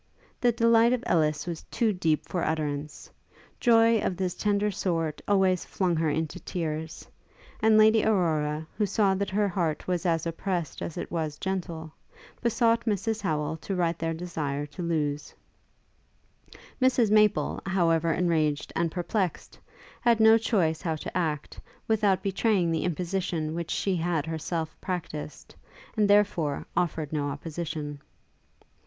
The delight of Ellis was too deep for utterance. Joy of this tender sort always flung her into tears; and Lady Aurora, who saw that her heart was as oppressed as it was gentle, besought Mrs Howel to write their desire to Lewes. Mrs Maple, however enraged and perplexed, had no choice how to act, without betraying the imposition which she had herself practised, and therefore offered no opposition.